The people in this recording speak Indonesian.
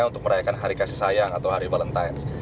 untuk merayakan hari kasih sayang atau hari valentines